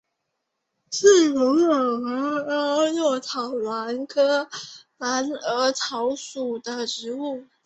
四孔草为鸭跖草科蓝耳草属的植物。